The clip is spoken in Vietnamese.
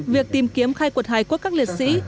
việc tìm kiếm khai quật hải quốc các liệt sĩ